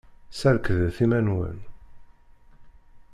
Serkdet iman-nwen!